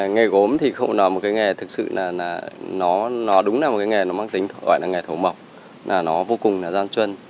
nghề gốm thì không nói một cái nghề thật sự là nó đúng là một cái nghề nó mang tính gọi là nghề thổ mộc là nó vô cùng là gian truân